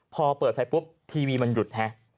พอเปิดไฟปุ๊บทีวีมันหยุดฮะ